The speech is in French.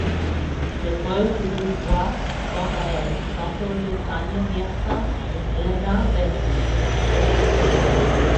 L'épreuve de double voit quant à elle s'imposer Sania Mirza et Elena Vesnina.